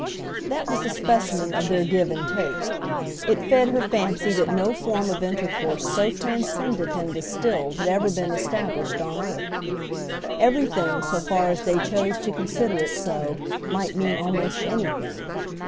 That was a specimen of their give and take; it fed her fancy that no form of intercourse so transcendent and distilled had ever been established on earth. Everything, so far as they chose to consider it so, might mean almost anything.